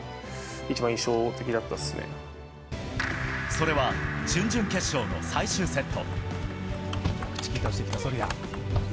それは準々決勝の最終セット。